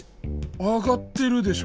上がってるでしょ。